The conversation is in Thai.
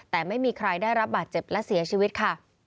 แต่ไม่มีใครได้รับบาดเจ็บและเสียชีวิตค่ะ